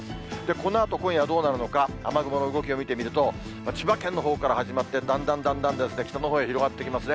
このあと今夜どうなるのか、雨雲の動きを見てみると、千葉県のほうから始まって、だんだんだんだん北のほうへ広がってきますね。